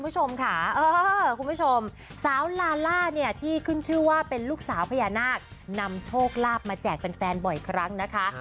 ซึ่งชื่อว่าเป็นลูกสาวพญานาคนำโชคลาบมาแจกเป็นแฟนบ่อยครั้งนะคะ